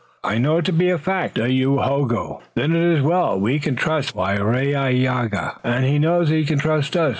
"I know it to be a fact, Dayohogo." "Then it is well. We can trust Waraiyageh, and he knows that he can trust us.